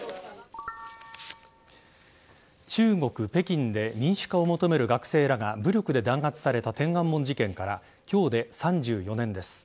中国・北京で民主化を求める学生らが武力で弾圧された天安門事件から今日で３４年です。